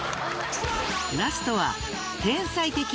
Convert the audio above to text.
ラストは。